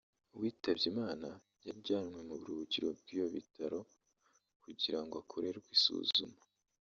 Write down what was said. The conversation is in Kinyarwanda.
uwitabye Imana yajyanwe mu buruhukiro bw’ibyo bitaro kugira ngo akorewe isuzuma